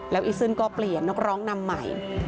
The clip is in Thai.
แล้วอีซ่นน่ะก็เปลี่ยนนอกร้องนำใหม่